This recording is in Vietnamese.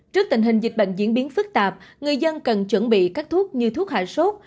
trước tình hình dịch bệnh diễn biến phức tạp người dân cần chuẩn bị các thuốc như thuốc hạ sốt